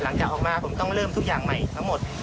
หลังจากออกมาผมต้องเริ่มทุกอย่างใหม่ทั้งหมด